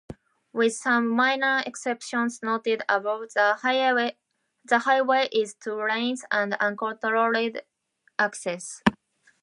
With some minor exceptions noted above, the highway is two lanes and uncontrolled access.